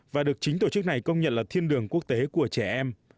và được chính tổ chức này công nhận là thiên đường quốc tế của trẻ em